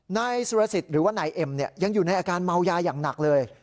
นายสุรสิทธิ์หรือว่านายเอ็มยังอยู่ในอาการเมายาอย่างหนักเลย